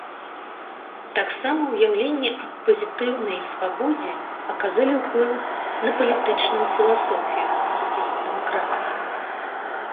Таксама ўяўленні аб пазітыўнай свабодзе аказалі ўплыў на палітычную філасофію сацыял-дэмакратыі.